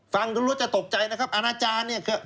ฟังดูแล้วจะตกใจนะครับอาณาจารย์เนี่ย